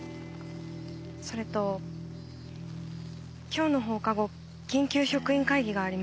それと今日の放課後緊急職員会議があります。